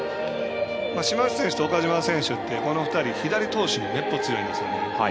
島内選手と岡島選手ってこの２人左投手にめっぽう強いんですね。